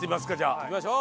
行きましょう。